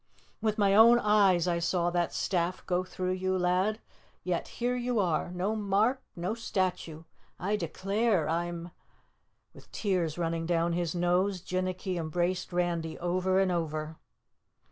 "With my own eyes I saw that staff go through you, lad, yet here you are no mark no statue. I declare I, I'm " With tears running down his nose, Jinnicky embraced Randy over and over.